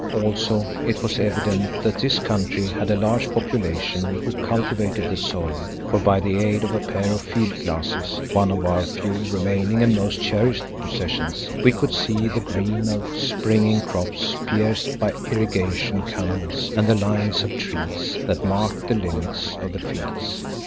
Also it was evident that this country had a large population who cultivated the soil, for by the aid of a pair of field glasses, one of our few remaining and most cherished possessions, we could see the green of springing crops pierced by irrigation canals and the lines of trees that marked the limits of the fields.